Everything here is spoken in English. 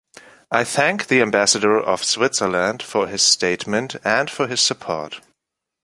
I thank the Ambassador of Switzerland for his statement and for his support.